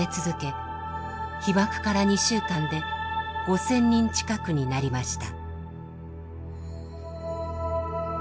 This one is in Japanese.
被爆から２週間で５，０００人近くになりました。